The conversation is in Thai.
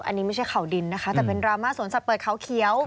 อันนี้ไม่ใช่เขาดินนะคะแต่เป็นดราม่าสวนสัตว์เปิดเขาเขียว